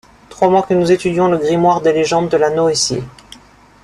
Trois mois que nous étudions le grimoire des légendes de la noétie.